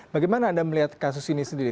bagaimana anda melihat kasus ini sendiri